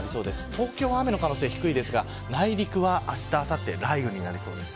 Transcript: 東京は雨の可能性は低いですが内陸は、あした、あさって雨になりそうです。